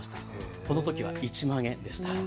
このときは１万円でした。